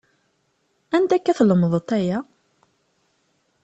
Anda akka tlemedeḍ aya?